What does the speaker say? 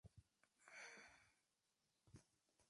Es un regalo típico en bodas, compromisos y nacimientos.